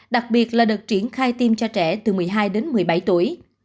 đặc biệt là đợt triển khai tiêm cho trẻ từ một mươi hai đến một mươi bảy tuổi